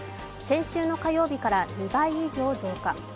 先週の火曜日から２倍以上増加。